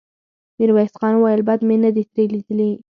ميرويس خان وويل: بد مې نه دې ترې ليدلي.